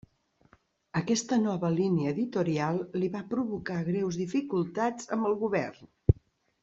Aquesta nova línia editorial li va provocar greus dificultats amb el govern.